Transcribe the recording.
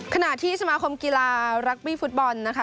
ขณะที่สมาคมกีฬารักบี้ฟุตบอลนะคะ